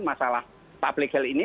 masalah public health ini